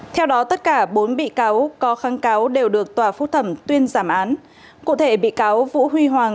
theo đó tất cả bốn bị cáo có kháng cáo đều được tòa phúc thẩm tuyên giảm án cụ thể bị cáo vũ huy hoàng